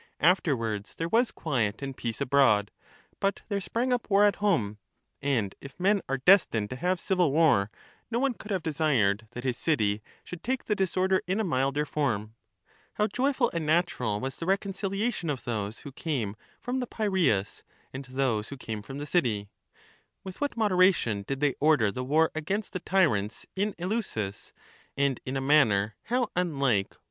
Afterwards there was quiet and peace abroad, but there sprang up war at home ; and, if men are destined to have civil war, no one could have desired that his city should take the disorder in a milder form. How joyful and natural was the reconciliation of those who came from the Piraeus and those who came from the city ; with what moderation did they order the war against the tyrants in Eleusis, and in a manner how unlike what the other 1 Reading ov neivraij or taking ova before dvaipeOevreg with keIvtcu.